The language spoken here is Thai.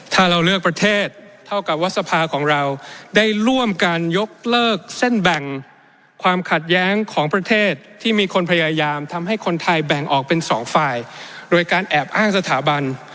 ถ้าเราเลือกประเทศเท่ากับว่าสภาของเราได้ร่วมการยกเลิกเส้นแบ่งความขัดแย้งของประเทศที่มีคนพยายามทำให้คนไทยแบ่งออกเป็นสองฝ่ายโดยการแอบอ้างสถาบัน